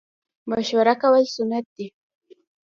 مشوره کول سنت دي